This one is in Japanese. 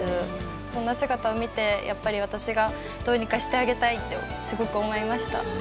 こんな姿を見てやっぱり私がどうにかしてあげたいってすごく思いました。